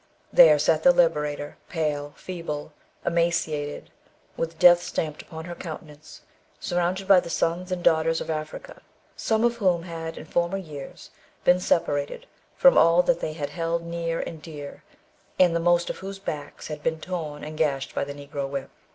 There sat the liberator, pale, feeble, emaciated, with death stamped upon her countenance, surrounded by the sons and daughters of Africa; some of whom had in former years been separated from all that they had held near and dear, and the most of whose backs had been torn and gashed by the Negro whip.